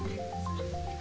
di indonesia susah